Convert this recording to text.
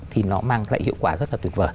thì nó mang lại hiệu quả rất là tuyệt vời